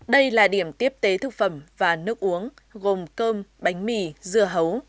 đây là điểm tiếp tế thực phẩm và nước uống gồm cơm bánh mì dưa hấu